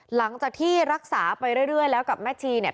หลังจากที่รักษาไปเรื่อยแล้วกับแม่ชีเนี่ย